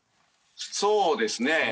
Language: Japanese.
そうですね。